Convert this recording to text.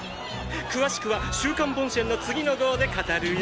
詳しくは「週刊ボンシェン」の次の号で語るよ。